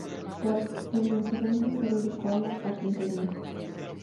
Tras el incidente se dedicó a la carpintería.